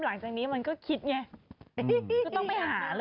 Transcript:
หลังจากนี้มันก็คิดไง